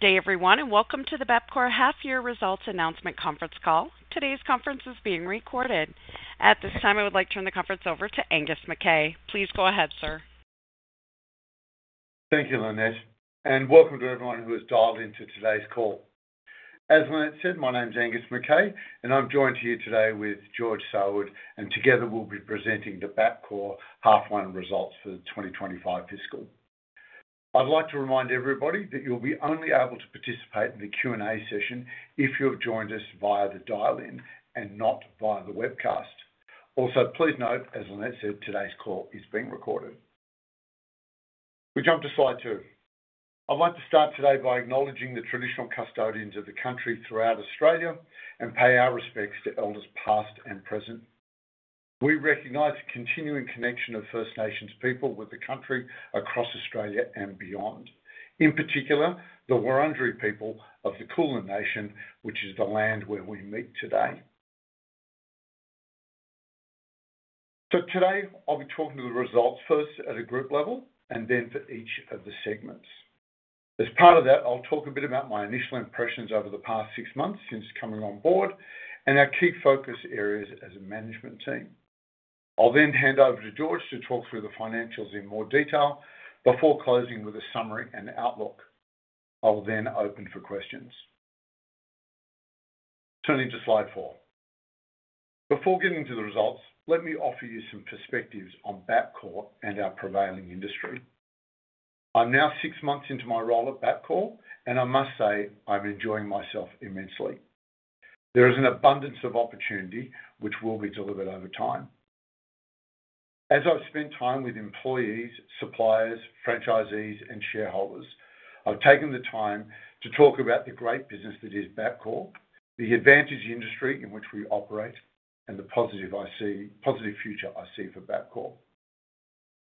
Good day, everyone, and welcome to the Bapcor Half-Year Results Announcement Conference Call. Today's conference is being recorded. At this time, I would like to turn the conference over to Angus McKay. Please go ahead, sir. Thank you, Lynette, and welcome to everyone who has dialed into today's call. As Lynette said, my name's Angus McKay, and I'm joined here today with George Saoud, and together we'll be presenting the Bapcor Half-Year Results for the 2025 Fiscal. I'd like to remind everybody that you'll be only able to participate in the Q&A session if you have joined us via the dial-in and not via the webcast. Also, please note, as Lynette said, today's call is being recorded. We jump to slide two. I'd like to start today by acknowledging the traditional custodians of the country throughout Australia and pay our respects to Elders, past and present. We recognize the continuing connection of First Nations people with the country across Australia and beyond, in particular the Wurundjeri people of the Kulin Nation, which is the land where we meet today. So today I'll be talking to the results first at a group level and then for each of the segments. As part of that, I'll talk a bit about my initial impressions over the past six months since coming on board and our key focus areas as a management team. I'll then hand over to George to talk through the financials in more detail before closing with a summary and outlook. I will then open for questions. Turning to slide four. Before getting to the results, let me offer you some perspectives on Bapcor and our prevailing industry. I'm now six months into my role at Bapcor, and I must say I'm enjoying myself immensely. There is an abundance of opportunity which will be delivered over time. As I've spent time with employees, suppliers, franchisees, and shareholders, I've taken the time to talk about the great business that is Bapcor, the advantaged industry in which we operate, and the positive future I see for Bapcor.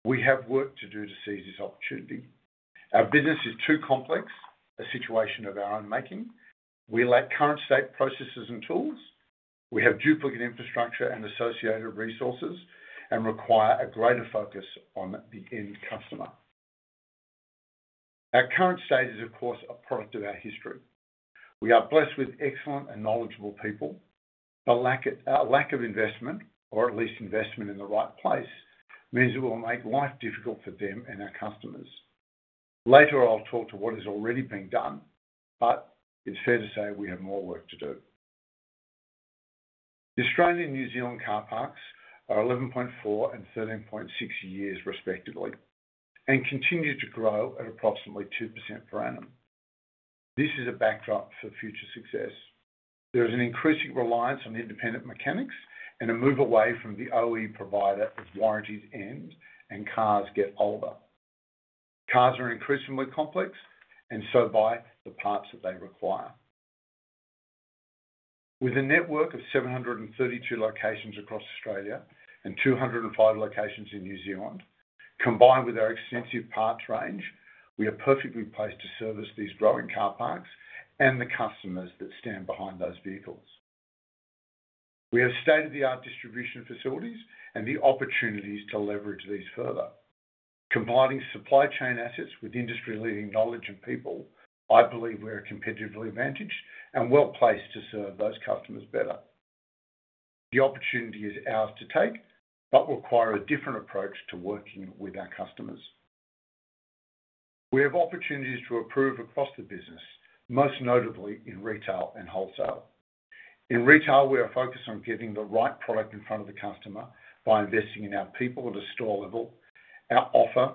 We have work to do to seize this opportunity. Our business is too complex, a situation of our own making. We lack current state processes and tools. We have duplicate infrastructure and associated resources and require a greater focus on the end customer. Our current state is, of course, a product of our history. We are blessed with excellent and knowledgeable people, but our lack of investment, or at least investment in the right place, means it will make life difficult for them and our customers. Later, I'll talk to what is already being done, but it's fair to say we have more work to do. The Australian and New Zealand car parks are 11.4 and 13.6 years respectively and continue to grow at approximately 2% per annum. This is a backdrop for future success. There is an increasing reliance on independent mechanics and a move away from the OE provider as warranties end and cars get older. Cars are increasingly complex and so are the parts that they require. With a network of 732 locations across Australia and 205 locations in New Zealand, combined with our extensive parts range, we are perfectly placed to service these growing car parks and the customers that stand behind those vehicles. We have state-of-the-art distribution facilities and the opportunities to leverage these further. Combining supply chain assets with industry-leading knowledge and people, I believe we are competitively advantaged and well placed to serve those customers better. The opportunity is ours to take, but require a different approach to working with our customers. We have opportunities to improve across the business, most notably in retail and wholesale. In retail, we are focused on getting the right product in front of the customer by investing in our people at a store level, our offer,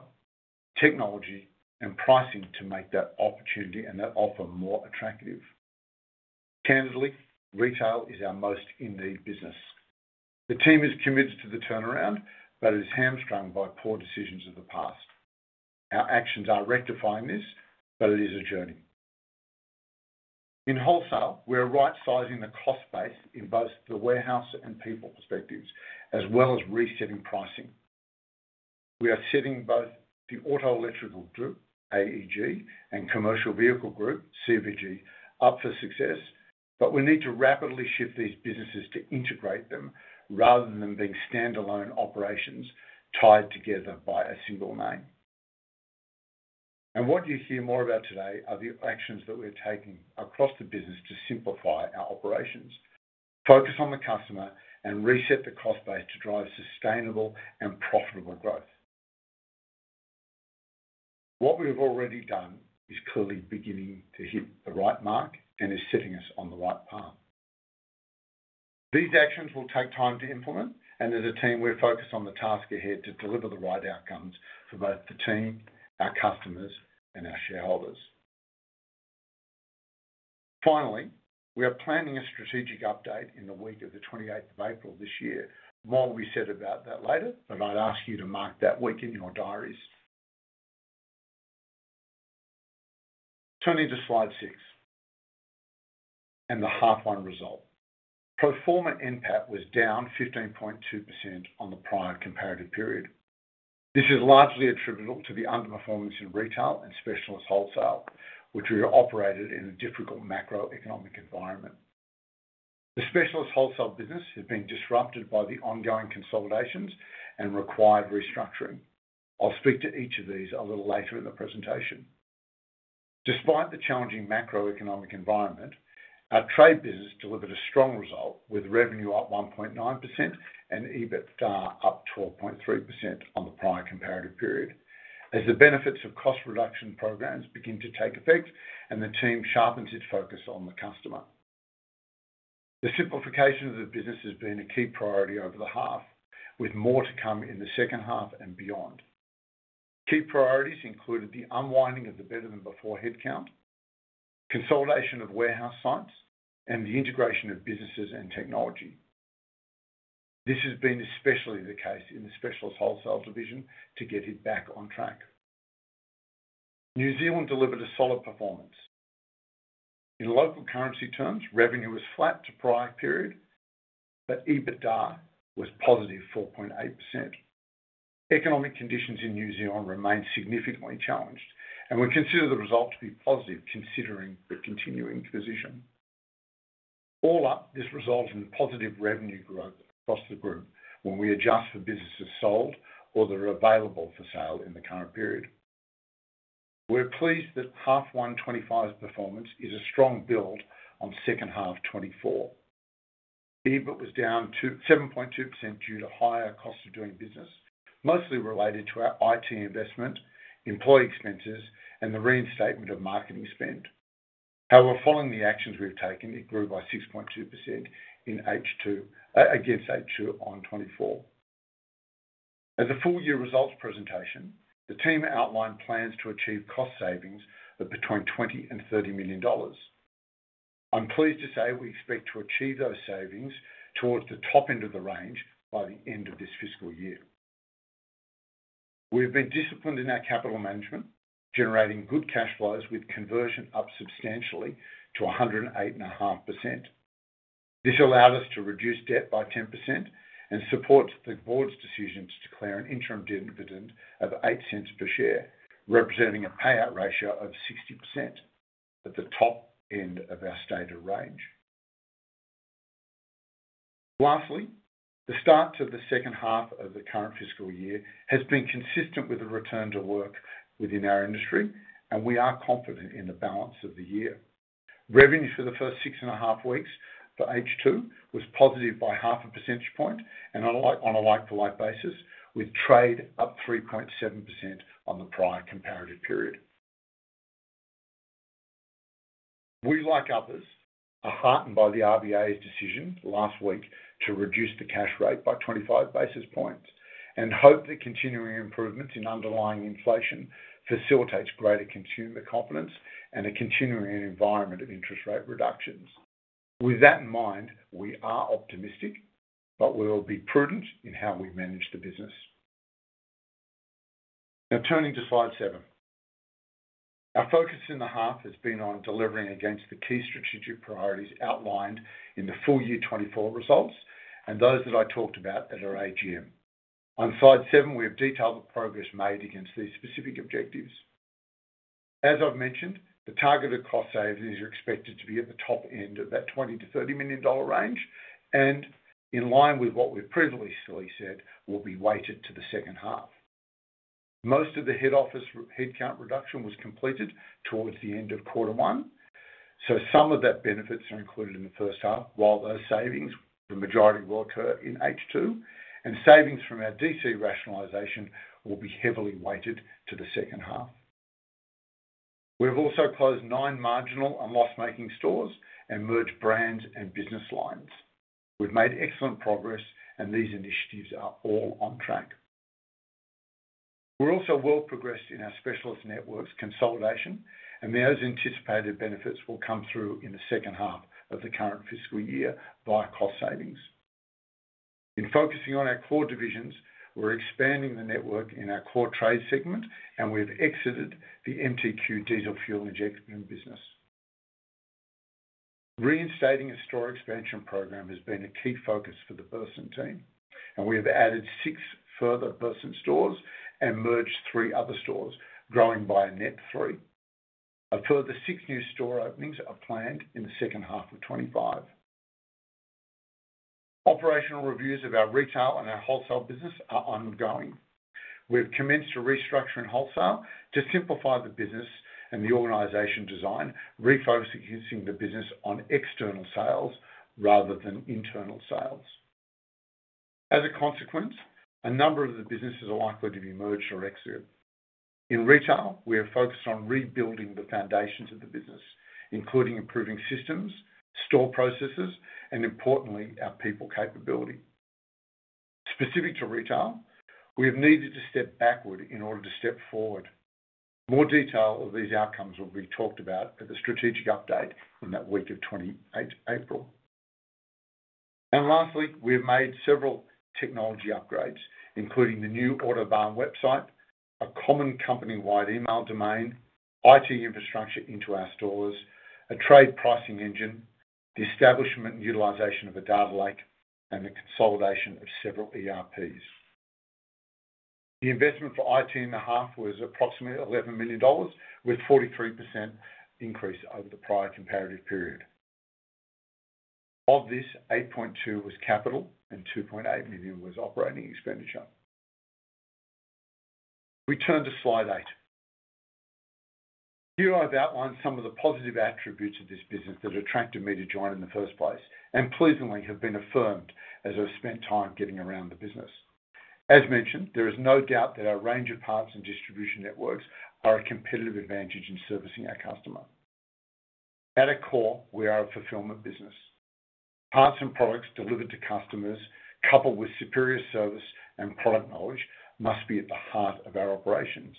technology, and pricing to make that opportunity and that offer more attractive. Candidly, retail is our most in need business. The team is committed to the turnaround, but it is hamstrung by poor decisions of the past. Our actions are rectifying this, but it is a journey. In wholesale, we are right-sizing the cost base in both the warehouse and people perspectives, as well as resetting pricing. We are setting both the Auto Electrical Group (AEG) and Commercial Vehicle Group (CVG), up for success, but we need to rapidly shift these businesses to integrate them rather than them being standalone operations tied together by a single name, and what you hear more about today are the actions that we're taking across the business to simplify our operations, focus on the customer, and reset the cost base to drive sustainable and profitable growth. What we have already done is clearly beginning to hit the right mark and is setting us on the right path. These actions will take time to implement, and as a team, we're focused on the task ahead to deliver the right outcomes for both the team, our customers, and our shareholders. Finally, we are planning a strategic update in the week of the 28th of April this year. More will be said about that later, but I'd ask you to mark that week in your diaries. Turning to slide six and the half-year result. Pro-forma NPAT was down 15.2% on the prior comparative period. This is largely attributable to the underperformance in retail and specialist wholesale, which we operated in a difficult macroeconomic environment. The specialist wholesale business has been disrupted by the ongoing consolidations and required restructuring. I'll speak to each of these a little later in the presentation. Despite the challenging macroeconomic environment, our trade business delivered a strong result with revenue up 1.9% and EBITDA up 12.3% on the prior comparative period, as the benefits of cost reduction programs begin to take effect and the team sharpens its focus on the customer. The simplification of the business has been a key priority over the half, with more to come in the second half and beyond. Key priorities included the unwinding of the Better Than Before headcount, consolidation of warehouse sites, and the integration of businesses and technology. This has been especially the case in the specialist wholesale division to get it back on track. New Zealand delivered a solid performance. In local currency terms, revenue was flat to prior period, but EBITDA was +4.8%. Economic conditions in New Zealand remain significantly challenged, and we consider the result to be positive considering the continuing position. All up, this results in positive revenue growth across the group when we adjust for businesses sold or that are available for sale in the current period. We're pleased that half-year 2025's performance is a strong build on second half 2024. EBIT was down 7.2% due to higher cost of doing business, mostly related to our IT investment, employee expenses, and the reinstatement of marketing spend. However, following the actions we've taken, it grew by 6.2% against H2 '24. As a full-year results presentation, the team outlined plans to achieve cost savings of between 20 million and 30 million dollars. I'm pleased to say we expect to achieve those savings towards the top end of the range by the end of this fiscal year. We've been disciplined in our capital management, generating good cash flows with conversion up substantially to 108.5%. This allowed us to reduce debt by 10% and supports the board's decision to declare an interim dividend of 0.08 per share, representing a payout ratio of 60% at the top end of our stated range. Lastly, the start to the second half of the current fiscal year has been consistent with the return to work within our industry, and we are confident in the balance of the year. Revenue for the first six and a half weeks for H2 was positive by half a percentage point and on a like-for-like basis, with trade up 3.7% on the prior comparative period. We, like others, are heartened by the RBA's decision last week to reduce the cash rate by 25 basis points and hope that continuing improvements in underlying inflation facilitate greater consumer confidence and a continuing environment of interest rate reductions. With that in mind, we are optimistic, but we will be prudent in how we manage the business. Now, turning to slide seven, our focus in the half has been on delivering against the key strategic priorities outlined in the full-year 2024 results and those that I talked about at our AGM. On slide seven, we have detailed the progress made against these specific objectives. As I've mentioned, the targeted cost savings are expected to be at the top end of that 20 to 30 million dollar range and, in line with what we previously said, will be weighted to the second half. Most of the head office headcount reduction was completed towards the end of quarter one, so some of that benefits are included in the first half, while those savings, the majority will occur in H2, and savings from our DC rationalization will be heavily weighted to the second half. We have also closed nine marginal and loss-making stores and merged brands and business lines. We've made excellent progress, and these initiatives are all on track. We're also well progressed in our specialist networks consolidation, and those anticipated benefits will come through in the second half of the current fiscal year via cost savings. In focusing on our core divisions, we're expanding the network in our core trade segment, and we've exited the MTQ diesel fuel injection business. Reinstating a store expansion program has been a key focus for the Burson team, and we have added six further Burson stores and merged three other stores, growing by a net three. A further six new store openings are planned in the second half of 2025. Operational reviews of our retail and our wholesale business are ongoing. We have commenced to restructuring wholesale to simplify the business and the organization design, refocusing the business on external sales rather than internal sales. As a consequence, a number of the businesses are likely to be merged or exited. In retail, we are focused on rebuilding the foundations of the business, including improving systems, store processes, and importantly, our people capability. Specific to retail, we have needed to step backward in order to step forward. More detail of these outcomes will be talked about at the strategic update in that week of 28 April 2025. And lastly, we have made several technology upgrades, including the new Autobarn website, a common company-wide email domain, IT infrastructure into our stores, a trade pricing engine, the establishment and utilization of a data lake, and the consolidation of several ERPs. The investment for IT in the half was approximately 11 million dollars, with 43% increase over the prior comparative period. Of this, 8.2 million was capital and 2.8 million was operating expenditure. We turn to slide eight. Here I've outlined some of the positive attributes of this business that attracted me to join in the first place and pleasantly have been affirmed as I've spent time getting around the business. As mentioned, there is no doubt that our range of parts and distribution networks are a competitive advantage in servicing our customer. At a core, we are a fulfillment business. Parts and products delivered to customers, coupled with superior service and product knowledge, must be at the heart of our operations.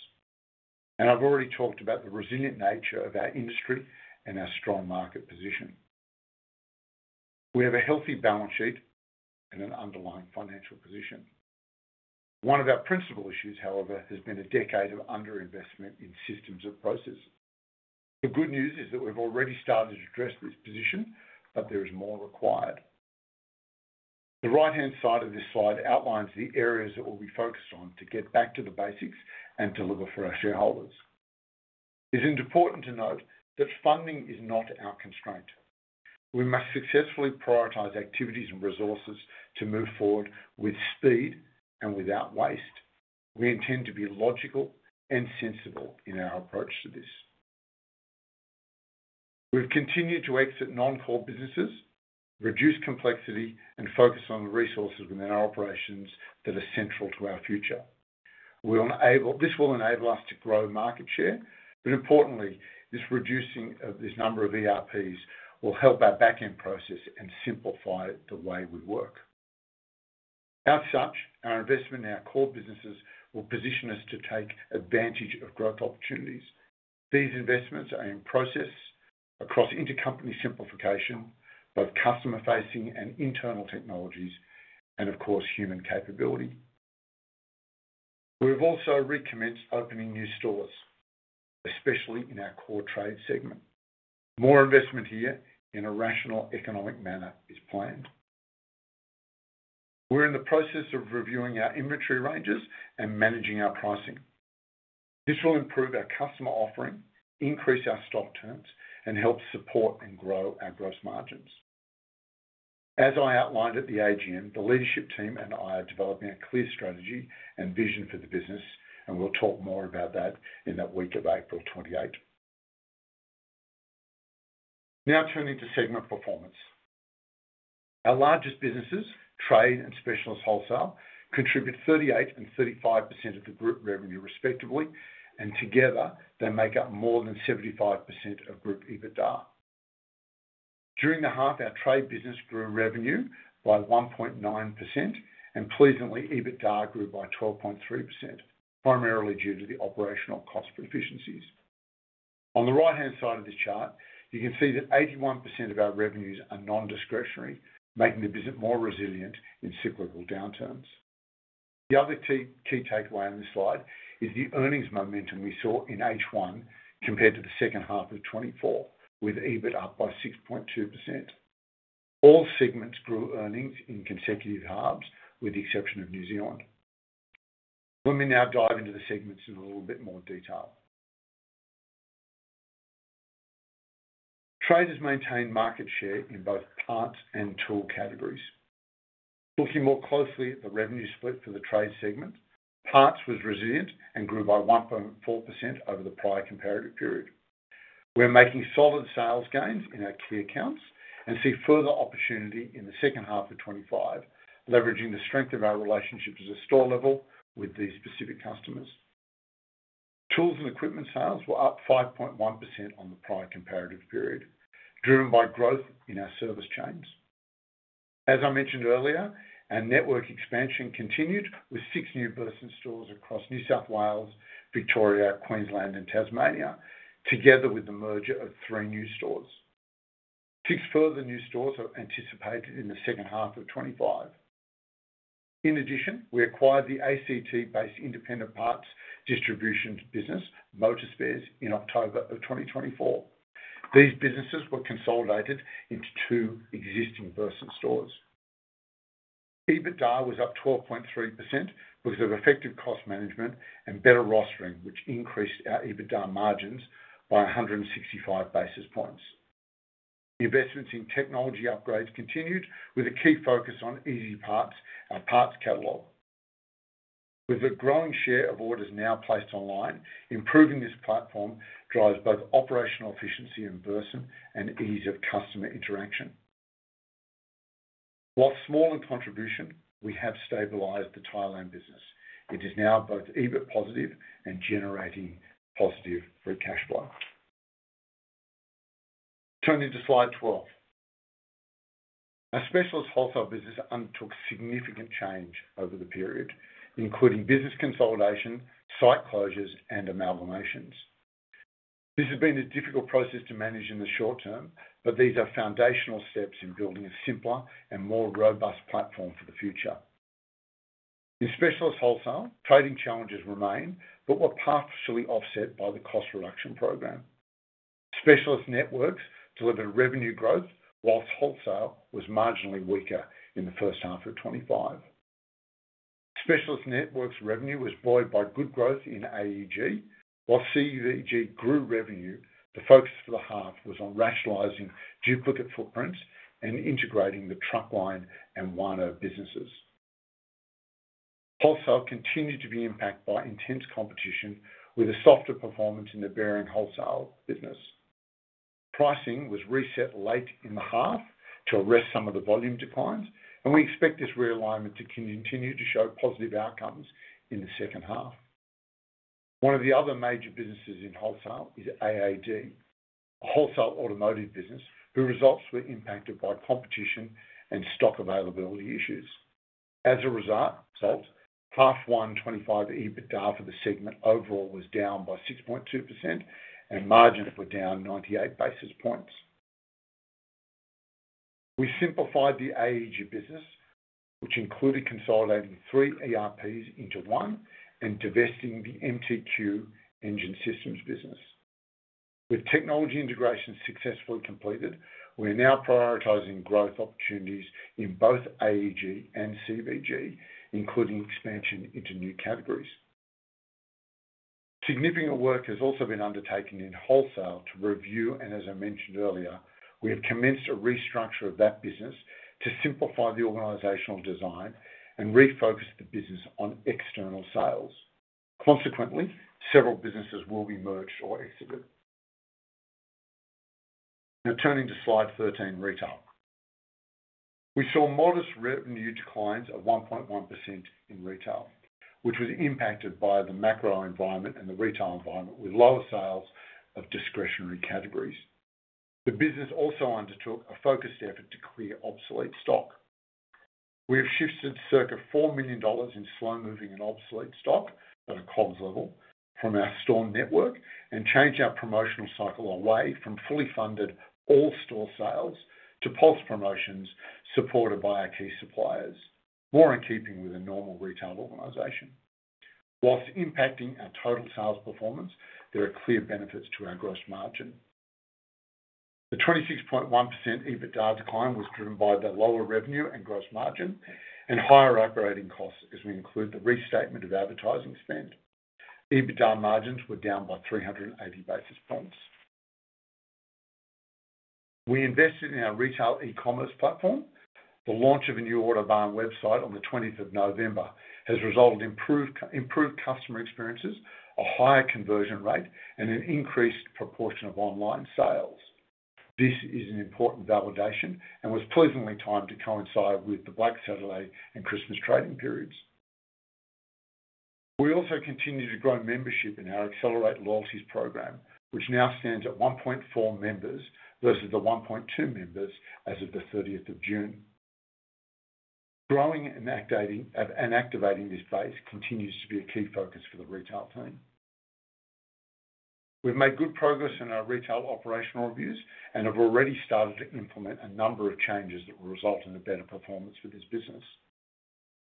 And I've already talked about the resilient nature of our industry and our strong market position. We have a healthy balance sheet and an underlying financial position. One of our principal issues, however, has been a decade of underinvestment in systems of process. The good news is that we've already started to address this position, but there is more required. The right-hand side of this slide outlines the areas that we'll be focused on to get back to the basics and deliver for our shareholders. It's important to note that funding is not our constraint. We must successfully prioritize activities and resources to move forward with speed and without waste. We intend to be logical and sensible in our approach to this. We've continued to exit non-core businesses, reduce complexity, and focus on the resources within our operations that are central to our future. This will enable us to grow market share, but importantly, this reducing of this number of ERPs will help our back-end process and simplify the way we work. As such, our investment in our core businesses will position us to take advantage of growth opportunities. These investments are in process across intercompany simplification, both customer-facing and internal technologies, and of course, human capability. We've also recommenced opening new stores, especially in our core trade segment. More investment here in a rational economic manner is planned. We're in the process of reviewing our inventory ranges and managing our pricing. This will improve our customer offering, increase our stock turns, and help support and grow our gross margins. As I outlined at the AGM, the leadership team and I are developing a clear strategy and vision for the business, and we'll talk more about that in that week of April 28, 2025. Now turning to segment performance. Our largest businesses, trade and specialist wholesale, contribute 38% and 35% of the group revenue, respectively, and together they make up more than 75% of group EBITDA. During the half, our trade business grew revenue by 1.9%, and pleasantly, EBITDA grew by 12.3%, primarily due to the operational cost efficiencies. On the right-hand side of this chart, you can see that 81% of our revenues are non-discretionary, making the business more resilient in cyclical downturns. The other key takeaway on this slide is the earnings momentum we saw in H1 compared to the second half of 2024, with EBIT up by 6.2%. All segments grew earnings in consecutive halves, with the exception of New Zealand. Let me now dive into the segments in a little bit more detail. Trade has maintained market share in both parts and tool categories. Looking more closely at the revenue split for the trade segment, parts was resilient and grew by 1.4% over the prior comparative period. We're making solid sales gains in our key accounts and see further opportunity in the second half of 2025, leveraging the strength of our relationships at the store level with these specific customers. Tools and equipment sales were up 5.1% on the prior comparative period, driven by growth in our service chains. As I mentioned earlier, our network expansion continued with six new Burson stores across New South Wales, Victoria, Queensland, and Tasmania, together with the merger of three new stores. Six further new stores are anticipated in the second half of 2025. In addition, we acquired the ACT-based independent parts distribution business, Motor Spares, in October of 2024. These businesses were consolidated into two existing Burson stores. EBITDA was up 12.3% because of effective cost management and better rostering, which increased our EBITDA margins by 165 basis points. Investments in technology upgrades continued, with a key focus on EzyParts, our parts catalogue. With a growing share of orders now placed online, improving this platform drives both operational efficiency in Burson and ease of customer interaction. While small in contribution, we have stabilized the Thailand business. It is now both EBIT-positive and generating positive free cash flow. Turning to slide 12, our specialist wholesale business undertook significant change over the period, including business consolidation, site closures, and amalgamations. This has been a difficult process to manage in the short term, but these are foundational steps in building a simpler and more robust platform for the future. In specialist wholesale, trading challenges remain, but were partially offset by the cost reduction program. Specialist networks delivered revenue growth, while wholesale was marginally weaker in the first half of 2025. Specialist networks revenue was buoyed by good growth in AEG. While CVG grew revenue, the focus for the half was on rationalizing duplicate footprints and integrating the Truckline and WANO businesses. Wholesale continued to be impacted by intense competition, with a softer performance in the bearing wholesale business. Pricing was reset late in the half to arrest some of the volume declines, and we expect this realignment to continue to show positive outcomes in the second half. One of the other major businesses in wholesale is AAD, a wholesale automotive business whose results were impacted by competition and stock availability issues. As a result, half-one 2025 EBITDA for the segment overall was down by 6.2%, and margins were down 98 basis points. We simplified the AEG business, which included consolidating three ERPs into one and divesting the MTQ Engine Systems business. With technology integration successfully completed, we are now prioritizing growth opportunities in both AEG and CVG, including expansion into new categories. Significant work has also been undertaken in wholesale to review, and as I mentioned earlier, we have commenced a restructure of that business to simplify the organizational design and refocus the business on external sales. Consequently, several businesses will be merged or exited. Now turning to slide 13, retail. We saw modest revenue declines of 1.1% in retail, which was impacted by the macro environment and the retail environment, with lower sales of discretionary categories. The business also undertook a focused effort to clear obsolete stock. We have shifted circa 4 million dollars in slow-moving and obsolete stock at a COMS level from our store network and changed our promotional cycle away from fully funded all store sales to pulse promotions supported by our key suppliers, more in keeping with a normal retail organization. While impacting our total sales performance, there are clear benefits to our gross margin. The 26.1% EBITDA decline was driven by the lower revenue and gross margin and higher operating costs as we include the restatement of advertising spend. EBITDA margins were down by 380 basis points. We invested in our retail e-commerce platform. The launch of a new Autobarn website on the 20th of November has resulted in improved customer experiences, a higher conversion rate, and an increased proportion of online sales. This is an important validation and was pleasantly timed to coincide with the Black Friday and Christmas trading periods. We also continue to grow membership in our Accelerate loyalty program, which now stands at 1.4 million members versus the 1.2 million members as of the 30th of June 2024. Growing and activating this base continues to be a key focus for the retail team. We've made good progress in our retail operational reviews and have already started to implement a number of changes that will result in a better performance for this business.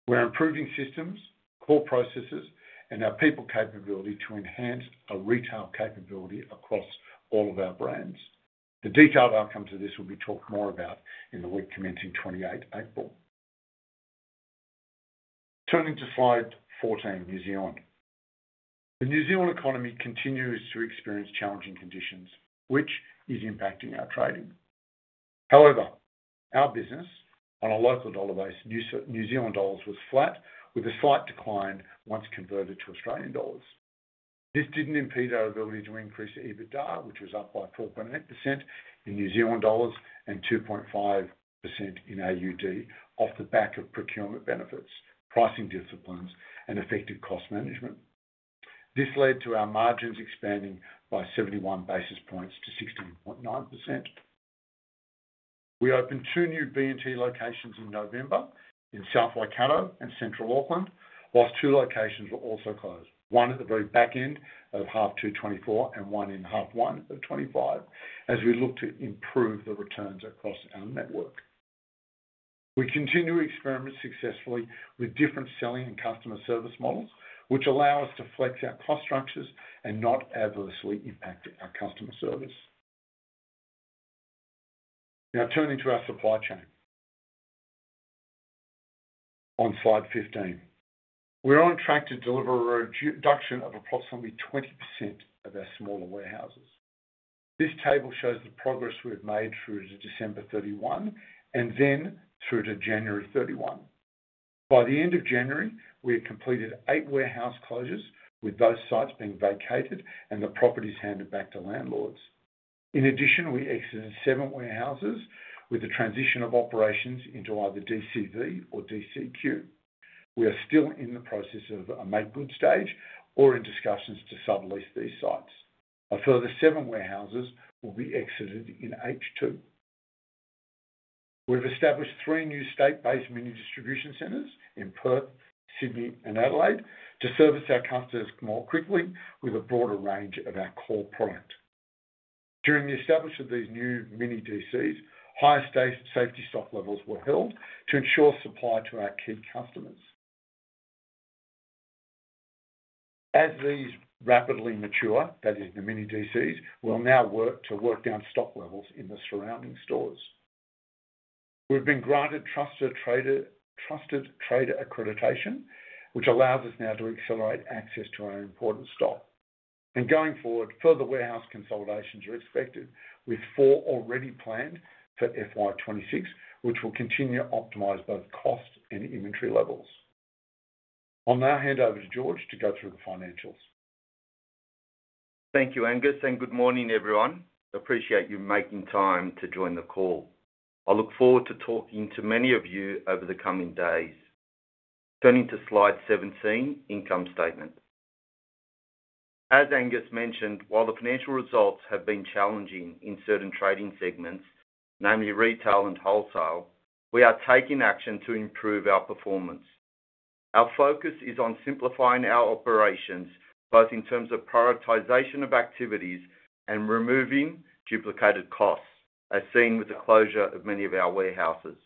We're improving systems, core processes, and our people capability to enhance our retail capability across all of our brands. The detailed outcomes of this will be talked more about in the week commencing 28 April 2025. Turning to slide 14, New Zealand. The New Zealand economy continues to experience challenging conditions, which is impacting our trading. However, our business on a local dollar base, New Zealand dollars, was flat, with a slight decline once converted to Australian dollars. This didn't impede our ability to increase EBITDA, which was up by 4.8% in New Zealand dollars and 2.5% in AUD off the back of procurement benefits, pricing disciplines, and effective cost management. This led to our margins expanding by 71 basis points to 16.9%. We opened two new BNT locations in November in South Waikato and Central Auckland, while two locations were also closed, one at the very back end of half-two 2024 and one in half-one of 2025, as we look to improve the returns across our network. We continue to experiment successfully with different selling and customer service models, which allow us to flex our cost structures and not adversely impact our customer service. Now turning to our supply chain. On slide 15, we're on track to deliver a reduction of approximately 20% of our smaller warehouses. This table shows the progress we've made through to December 31, 2024 and then through to January 31, 2025. By the end of January, we had completed eight warehouse closures, with those sites being vacated and the properties handed back to landlords. In addition, we exited seven warehouses with the transition of operations into either DCV or DCQ. We are still in the process of a make-good stage or in discussions to sublease these sites. A further seven warehouses will be exited in H2. We've established three new state-based mini distribution centers in Perth, Sydney, and Adelaide to service our customers more quickly with a broader range of our core product. During the establishment of these new mini DCs, higher safety stock levels were held to ensure supply to our key customers. As these rapidly mature, that is, the mini DCs, we'll now work to down stock levels in the surrounding stores. We've been granted Trusted Trader Accreditation, which allows us now to accelerate access to our important stock, and going forward, further warehouse consolidations are expected, with four already planned for FY26, which will continue to optimize both cost and inventory levels. I'll now hand over to George to go through the financials. Thank you, Angus, and good morning, everyone. Appreciate you making time to join the call. I look forward to talking to many of you over the coming days. Turning to slide 17, income statement. As Angus mentioned, while the financial results have been challenging in certain trading segments, namely retail and wholesale, we are taking action to improve our performance. Our focus is on simplifying our operations, both in terms of prioritization of activities and removing duplicated costs, as seen with the closure of many of our warehouses.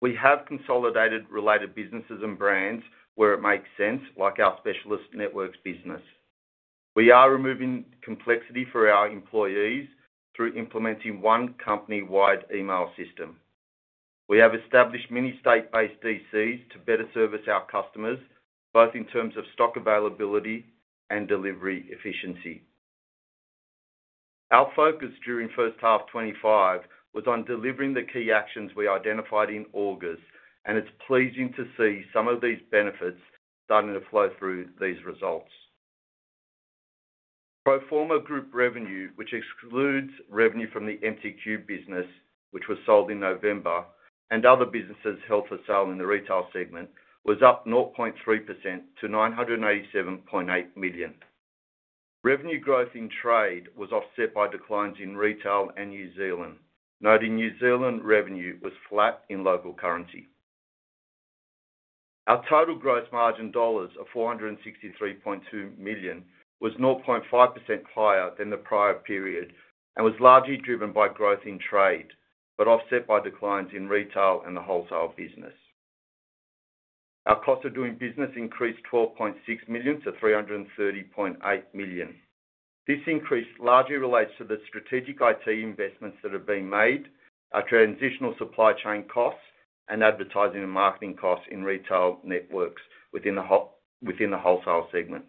We have consolidated related businesses and brands where it makes sense, like our specialist networks business. We are removing complexity for our employees through implementing one company-wide email system. We have established many state-based DCs to better service our customers, both in terms of stock availability and delivery efficiency. Our focus during first half 2025 was on delivering the key actions we identified in August, and it's pleasing to see some of these benefits starting to flow through these results. Pro-forma Group revenue, which excludes revenue from the MTQ business, which was sold in November, and other businesses held for sale in the retail segment, was up 0.3% to 987.8 million. Revenue growth in trade was offset by declines in retail and New Zealand, noting New Zealand revenue was flat in local currency. Our total gross margin dollars of 463.2 million was 0.5% higher than the prior period and was largely driven by growth in trade, but offset by declines in retail and the wholesale business. Our cost of doing business increased 12.6 million to 330.8 million. This increase largely relates to the strategic IT investments that have been made, our transitional supply chain costs, and advertising and marketing costs in retail networks within the wholesale segment.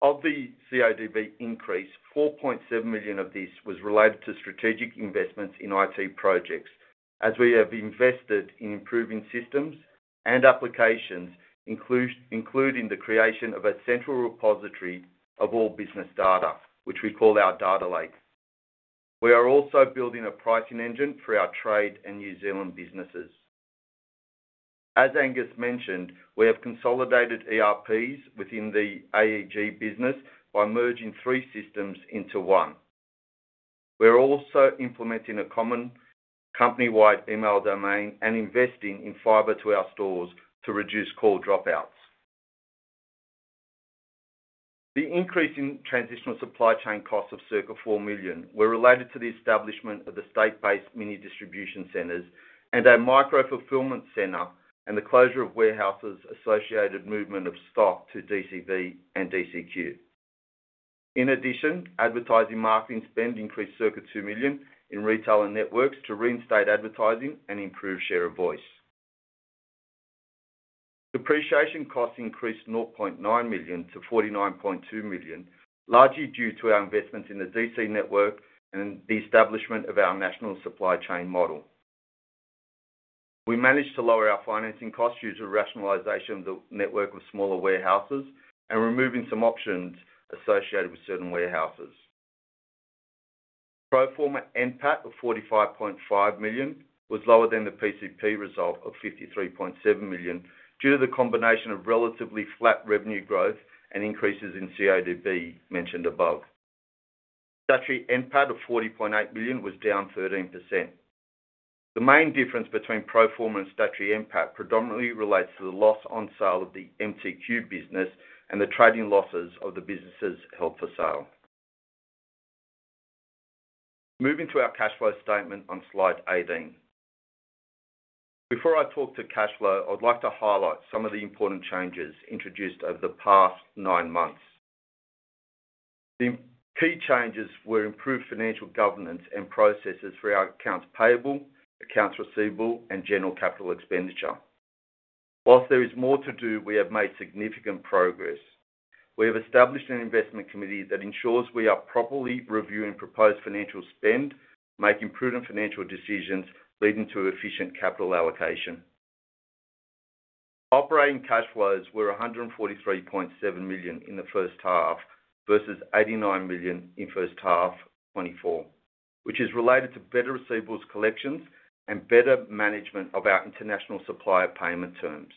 Of the CODB increase, 4.7 millions of this was related to strategic investments in IT projects, as we have invested in improving systems and applications, including the creation of a central repository of all business data, which we call our data lake. We are also building a pricing engine for our trade and New Zealand businesses. As Angus mentioned, we have consolidated ERPs within the AEG business by merging three systems into one. We're also implementing a common company-wide email domain and investing in fiber to our stores to reduce core dropouts. The increase in transitional supply chain costs of circa 4 million was related to the establishment of the state-based mini distribution centers and a micro fulfillment center and the closure of warehouses associated movement of stock to DCV and DCQ. In addition, advertising marketing spend increased circa 2 million in retail and networks to reinstate advertising and improve share of voice. Depreciation costs increased 0.9 to 49.2 million, largely due to our investments in the DC network and the establishment of our national supply chain model. We managed to lower our financing costs due to rationalisation of the network of smaller warehouses and removing some options associated with certain warehouses. Pro-forma NPAT of 45.5 million was lower than the PCP result of 53.7 million due to the combination of relatively flat revenue growth and increases in CODB mentioned above. Statutory NPAT of 40.8 million was down 13%. The main difference between Pro-forma and Statutory NPAT predominantly relates to the loss on sale of the MTQ business and the trading losses of the businesses held for sale. Moving to our cash flow statement on slide 18. Before I talk to cash flow, I'd like to highlight some of the important changes introduced over the past nine months. The key changes were improved financial governance and processes for our accounts payable, accounts receivable, and general capital expenditure. While there is more to do, we have made significant progress. We have established an Investment Committee that ensures we are properly reviewing proposed financial spend, making prudent financial decisions leading to efficient capital allocation. Operating cash flows were 143.7 million in the first half versus 89 million in first half 2024, which is related to better receivables collections and better management of our international supplier payment terms.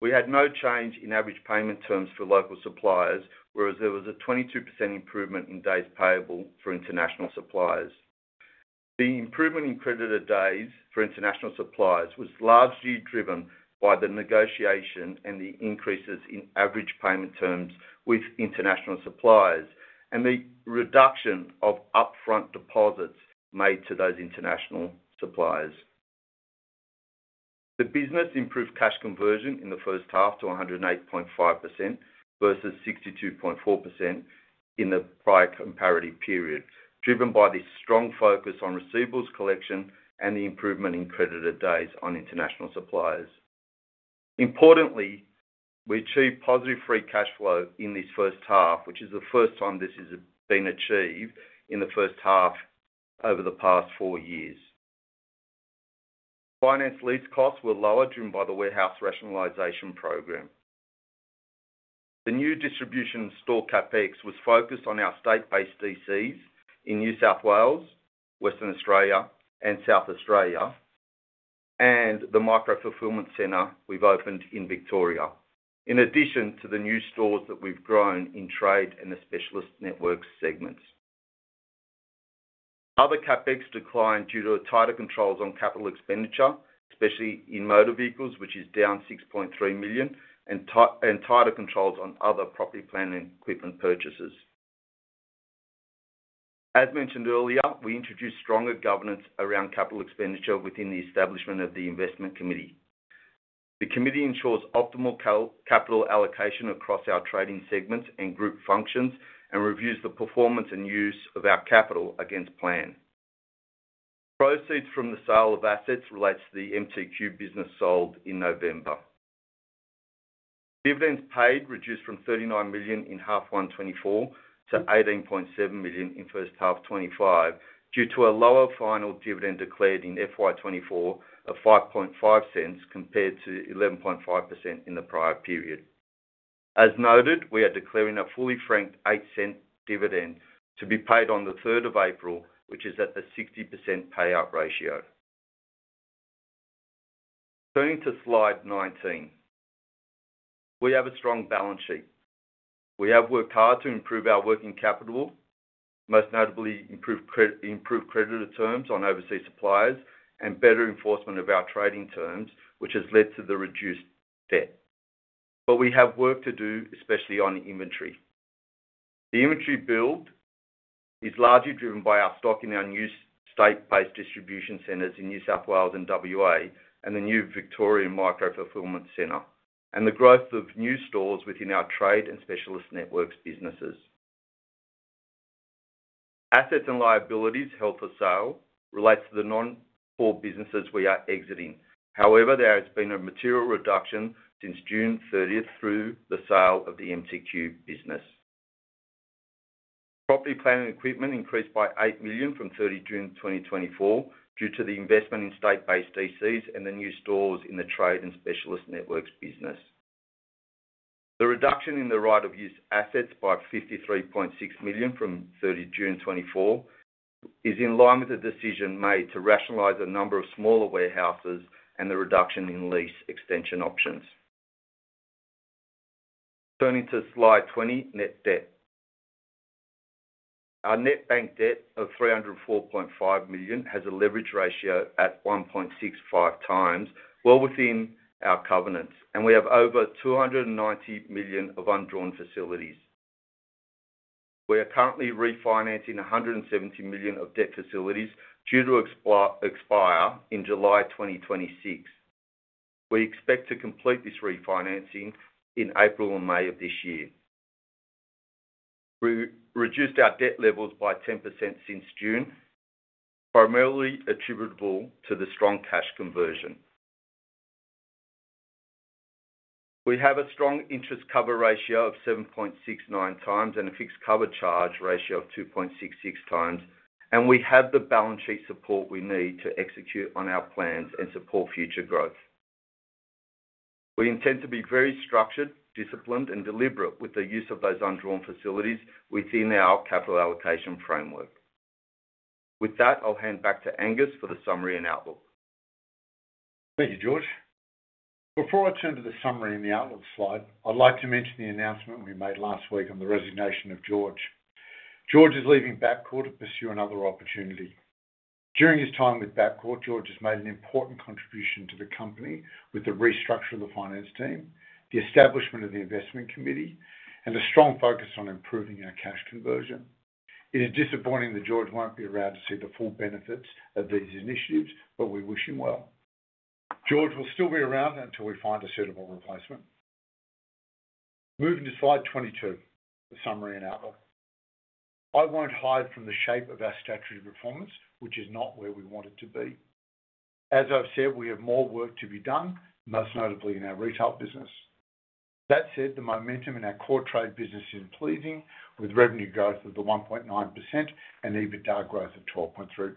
We had no change in average payment terms for local suppliers, whereas there was a 22% improvement in days payable for international suppliers. The improvement in creditor days for international suppliers was largely driven by the negotiation and the increases in average payment terms with international suppliers and the reduction of upfront deposits made to those international suppliers. The business improved cash conversion in the first half to 108.5% versus 62.4% in the prior comparative period, driven by the strong focus on receivables collection and the improvement in creditor days on international suppliers. Importantly, we achieved positive free cash flow in this first half, which is the first time this has been achieved in the first half over the past four years. Finance lease costs were lower driven by the warehouse rationalization program. The new distribution store CapEx was focused on our state-based DCs in New South Wales, Western Australia, and South Australia, and the Micro Fulfillment Center we've opened in Victoria, in addition to the new stores that we've grown in trade and the specialist networks segments. Other CapEx declined due to tighter controls on capital expenditure, especially in motor vehicles, which is down 6.3 million, and tighter controls on other property, plant and equipment purchases. As mentioned earlier, we introduced stronger governance around capital expenditure within the establishment of the investment committee. The committee ensures optimal capital allocation across our trading segments and group functions and reviews the performance and use of our capital against plan. Proceeds from the sale of assets relate to the MTQ business sold in November. Dividends paid reduced from 39 million in half-one 2024 to 18.7 million in first half 2025 due to a lower final dividend declared in FY 2024 of 5.5 cents compared to 11.5 cents in the prior period. As noted, we are declaring a fully franked 8 cents dividend to be paid on the 3rd of April 2025, which is at the 60% payout ratio. Turning to slide 19, we have a strong balance sheet. We have worked hard to improve our working capital, most notably improved creditor terms on overseas suppliers and better enforcement of our trading terms, which has led to the reduced debt. But we have work to do, especially on inventory. The inventory build is largely driven by our stock in our new state-based distribution centers in New South Wales and WA and the new Victoria Micro Fulfillment Center and the growth of new stores within our trade and specialist networks businesses. Assets and liabilities held for sale relate to the non-core businesses we are exiting. However, there has been a material reduction since June 30th through the sale of the MTQ business. Property, plant and equipment increased by 8 million from 30 June 2024 due to the investment in state-based DCs and the new stores in the trade and specialist networks business. The reduction in the right-of-use assets by 53.6 million from 30 June 2024 is in line with the decision made to rationalize a number of smaller warehouses and the reduction in lease extension options. Turning to Slide 20, net debt. Our net bank debt of 304.5 million has a leverage ratio at 1.65 times, well within our covenants, and we have over 290 million of undrawn facilities. We are currently refinancing 170 million of debt facilities due to expire in July 2026. We expect to complete this refinancing in April and May of this year. We reduced our debt levels by 10% since June, primarily attributable to the strong cash conversion. We have a strong interest cover ratio of 7.69 times and a fixed cover charge ratio of 2.66 times, and we have the balance sheet support we need to execute on our plans and support future growth. We intend to be very structured, disciplined, and deliberate with the use of those undrawn facilities within our capital allocation framework. With that, I'll hand back to Angus for the summary and outlook. Thank you, George. Before I turn to the summary and the outlook slide, I'd like to mention the announcement we made last week on the resignation of George. George is leaving Bapcor to pursue another opportunity. During his time with Bapcor, George has made an important contribution to the company with the restructure of the finance team, the establishment of the investment committee, and a strong focus on improving our cash conversion. It is disappointing that George won't be around to see the full benefits of these initiatives, but we wish him well. George will still be around until we find a suitable replacement. Moving to slide 22, the summary and outlook. I won't hide from the shape of our statutory performance, which is not where we want it to be. As I've said, we have more work to be done, most notably in our retail business. That said, the momentum in our core trade business is pleasing, with revenue growth of 1.9% and EBITDA growth of 12.3%.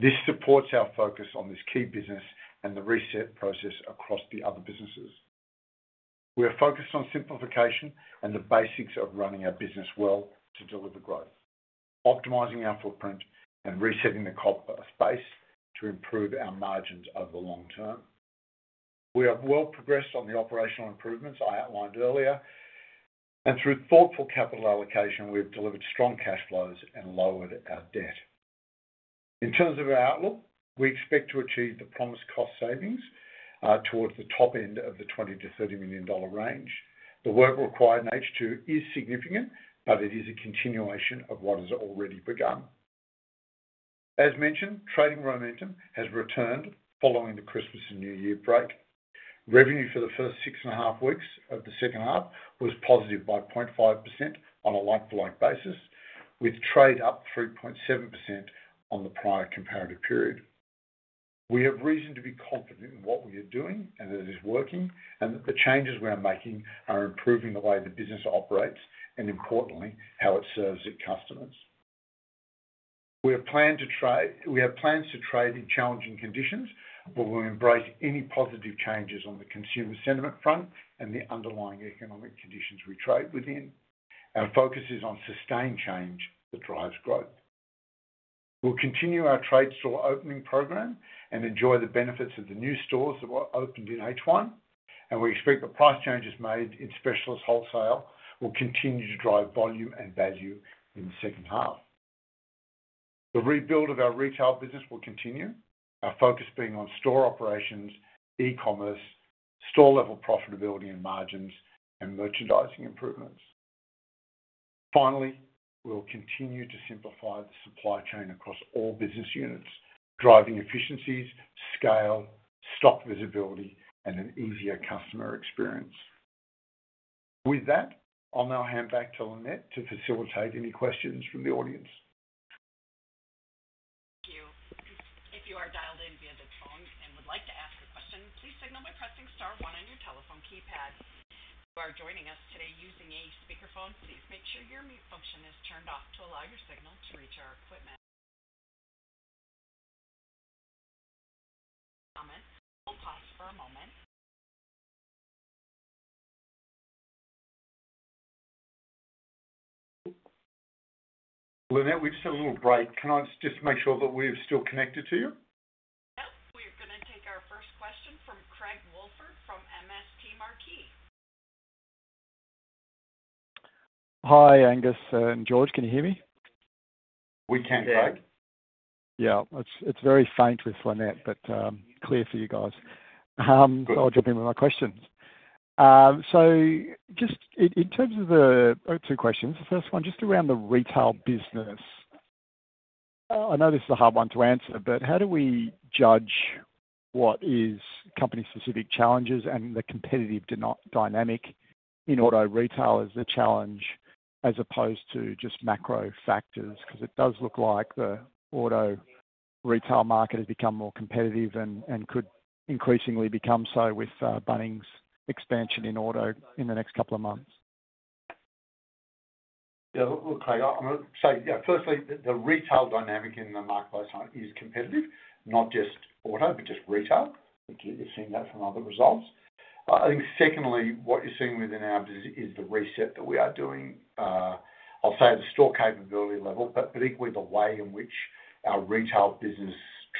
This supports our focus on this key business and the reset process across the other businesses. We are focused on simplification and the basics of running a business well to deliver growth, optimizing our footprint and resetting the corporate space to improve our margins over the long term. We have well progressed on the operational improvements I outlined earlier, and through thoughtful capital allocation, we have delivered strong cash flows and lowered our debt. In terms of our outlook, we expect to achieve the promised cost savings towards the top end of the 20 to 30 million range. The work required in H2 is significant, but it is a continuation of what has already begun. As mentioned, trading momentum has returned following the Christmas and New Year break. Revenue for the first six and a half weeks of the second half was positive by 0.5% on a like-for-like basis, with trade up 3.7% on the prior comparative period. We have reason to be confident in what we are doing and that it is working, and that the changes we are making are improving the way the business operates and, importantly, how it serves its customers. We have plans to trade in challenging conditions, but we'll embrace any positive changes on the consumer sentiment front and the underlying economic conditions we trade within. Our focus is on sustained change that drives growth. We'll continue our trade store opening program and enjoy the benefits of the new stores that were opened in H1, and we expect the price changes made in specialist wholesale will continue to drive volume and value in the second half. The rebuild of our retail business will continue, our focus being on store operations, e-commerce, store-level profitability and margins, and merchandising improvements. Finally, we'll continue to simplify the supply chain across all business units, driving efficiencies, scale, stock visibility, and an easier customer experience. With that, I'll now hand back to Lynette to facilitate any questions from the audience. Thank you. If you are dialed in via the phone and would like to ask a question, please signal by pressing star one on your telephone keypad. You are joining us today using a speakerphone. Please make sure your mute function is turned off to allow your signal to reach our equipment. Moment, will pause for a moment. Lynette, we've had a little break. Can I just make sure that we're still connected to you? Yep. We are going to take our first question from Craig Woolford from MST Marquee. Hi, Angus and George. Can you hear me? We can, Craig. Yeah. It's very faint with Lynette, but clear for you guys. I'll jump in with my questions. So just in terms of the two questions, the first one just around the retail business, I know this is a hard one to answer, but how do we judge what is company-specific challenges and the competitive dynamic in auto retail as a challenge as opposed to just macro factors? Because it does look like the auto retail market has become more competitive and could increasingly become so with Bunnings's expansion in auto in the next couple of months. Yeah. Look, Craig, I'm going to say, yeah, firstly, the retail dynamic in the marketplace is competitive, not just auto, but just retail. You've seen that from other results. I think secondly, what you're seeing within our business is the reset that we are doing. I'll say at the store capability level, but equally the way in which our retail business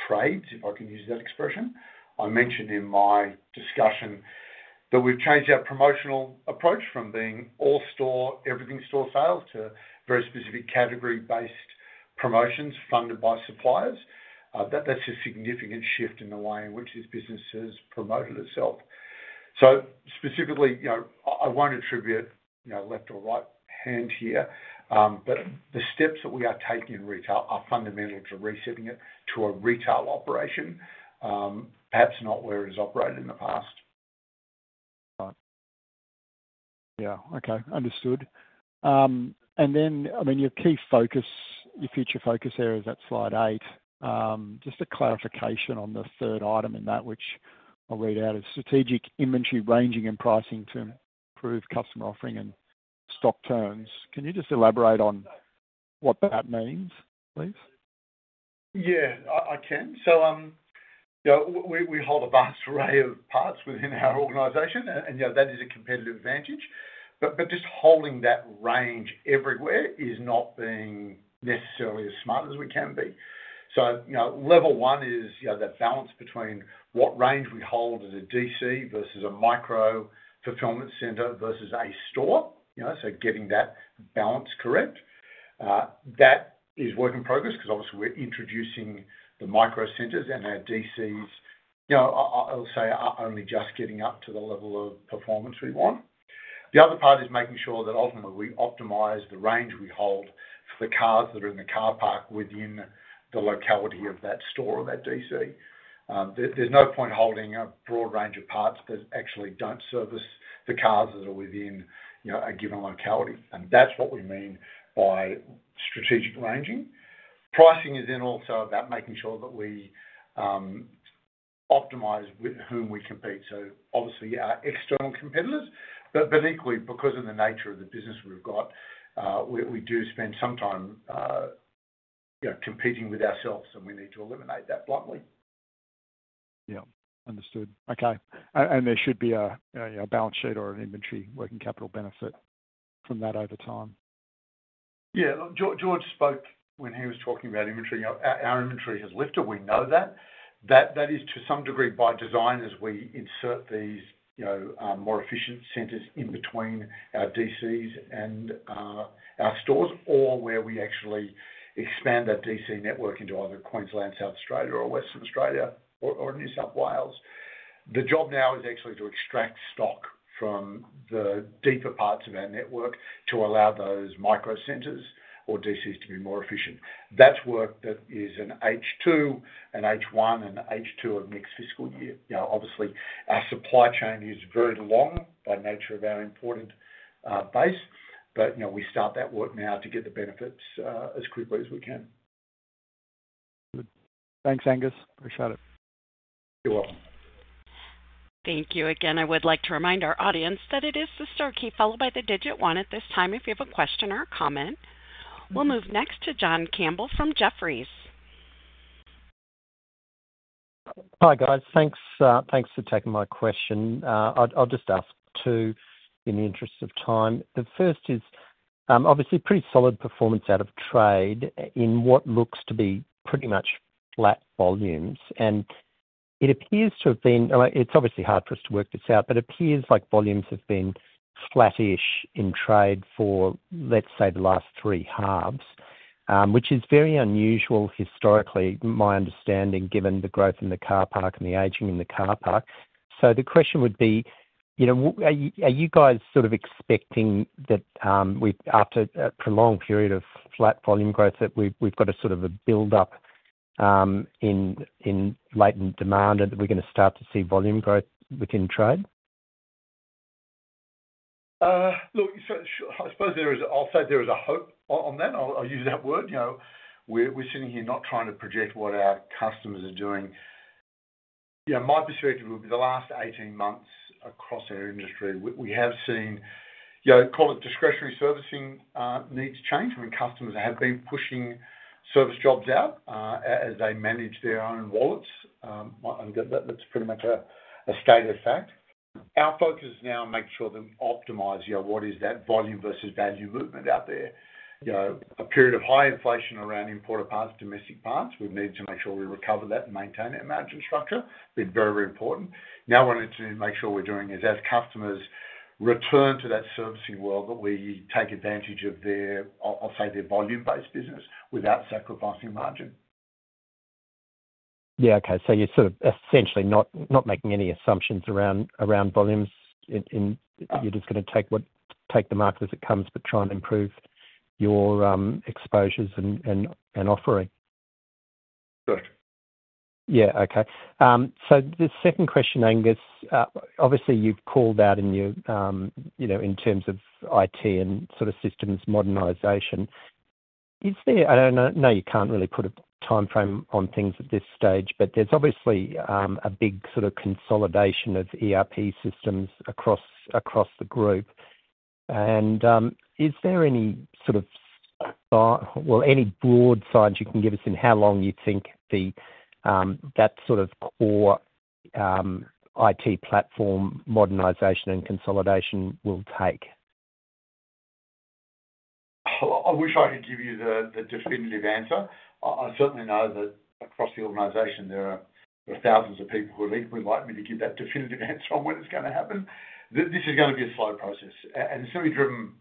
trades, if I can use that expression. I mentioned in my discussion that we've changed our promotional approach from being all-store, everything-store sales to very specific category-based promotions funded by suppliers. That's a significant shift in the way in which this business has promoted itself. So specifically, I won't attribute left or right hand here, but the steps that we are taking in retail are fundamental to resetting it to a retail operation, perhaps not where it has operated in the past. Right. Yeah. Okay. Understood. And then, I mean, your key focus, your future focus there is at slide eight. Just a clarification on the third item in that, which I'll read out as strategic inventory ranging and pricing to improve customer offering and stock turns. Can you just elaborate on what that means, please? Yeah. I can. So we hold a vast array of parts within our organization, and that is a competitive advantage. But just holding that range everywhere is not being necessarily as smart as we can be. So level one is the balance between what range we hold as a DC versus a Micro Fulfillment Center versus a store. So getting that balance correct, that is work in progress because obviously we're introducing the micro centres and our DCs, I'll say, are only just getting up to the level of performance we want. The other part is making sure that ultimately we optimize the range we hold for the cars that are in the car park within the locality of that store or that DC. There's no point holding a broad range of parts that actually don't service the cars that are within a given locality. And that's what we mean by strategic ranging. Pricing is then also about making sure that we optimize with whom we compete. So obviously our external competitors, but equally because of the nature of the business we've got, we do spend some time competing with ourselves, and we need to eliminate that bluntly. Yeah. Understood. Okay. And there should be a balance sheet or an inventory working capital benefit from that over time. Yeah. George spoke when he was talking about inventory. Our inventory has lifted. We know that. That is to some degree by design as we insert these more efficient centers in between our DCs and our stores or where we actually expand that DC network into either Queensland, South Australia, or Western Australia or New South Wales. The job now is actually to extract stock from the deeper parts of our network to allow those micro centers or DCs to be more efficient. That's work that is an H2, an H1, and an H2 of next fiscal year. Obviously, our supply chain is very long by nature of our imported base, but we start that work now to get the benefits as quickly as we can. Good. Thanks, Angus. Appreciate it. You're welcome. Thank you again. I would like to remind our audience that it is the star key followed by the digit one at this time if you have a question or a comment. We'll move next to John Campbell from Jefferies. Hi guys. Thanks for taking my question. I'll just ask two in the interest of time. The first is obviously pretty solid performance out of trade in what looks to be pretty much flat volumes. And it appears to have been, it's obviously hard for us to work this out, but it appears like volumes have been flattish in trade for, let's say, the last three halves, which is very unusual historically, my understanding, given the growth in the car park and the aging in the car park. So the question would be, are you guys sort of expecting that after a prolonged period of flat volume growth that we've got a sort of a build-up in latent demand and that we're going to start to see volume growth within trade? Look, I suppose there is. I'll say there is a hope on that. I'll use that word. We're sitting here not trying to project what our customers are doing. My perspective would be the last 18 months across our industry, we have seen, call it discretionary servicing needs change. I mean, customers have been pushing service jobs out as they manage their own wallets. That's pretty much a stated fact. Our focus is now to make sure that we optimize what is that volume versus value movement out there. A period of high inflation around importer parts, domestic parts, we need to make sure we recover that and maintain that margin structure. It's been very, very important. Now we need to make sure we're doing is as customers return to that servicing world that we take advantage of their, I'll say, their volume-based business without sacrificing margin. Yeah. Okay. So you're sort of essentially not making any assumptions around volumes. You're just going to take the market as it comes, but try and improve your exposures and offering. Correct. Yeah. Okay. So the second question, Angus, obviously you've called out in terms of IT and sort of systems modernization. I don't know. No, you can't really put a time frame on things at this stage, but there's obviously a big sort of consolidation of ERP systems across the group. And is there any sort of, well, any broad signs you can give us in how long you think that sort of core IT platform modernization and consolidation will take? I wish I could give you the definitive answer. I certainly know that across the organization, there are thousands of people who would equally like me to give that definitive answer on when it's going to happen. This is going to be a slow process and it's going to be driven,